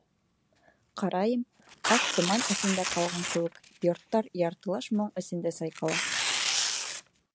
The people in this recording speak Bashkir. Ҡарайым, аҡ томан эсендә ҡалған кеүек, йорттар яртылаш моң эсендә сайҡала.